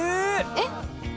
えっ？